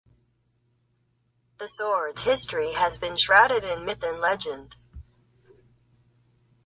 The sword's history has been shrouded in myth and legend.